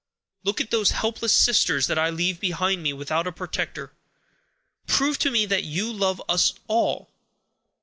Look at those helpless sisters that I leave behind me without a protector. Prove to me that you love us all.